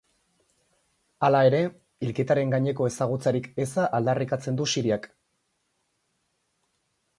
Hala ere, hilketaren gaineko ezagutzarik eza aldarrikatzen du Siriak.